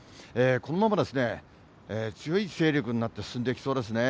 このまま強い勢力になって進んでいきそうですね。